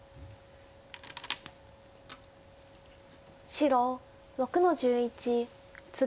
白６の十一ツギ。